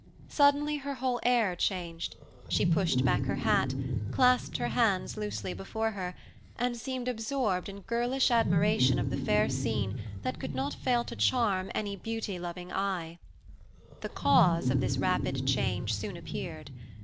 Suddenly her whole air changed, she pushed back her hat, clasped her hands loosely before her, and seemed absorbed in girlish admiration of the fair scene that could not fail to charm any beauty loving eye. The cause of this rapid change soon appeared.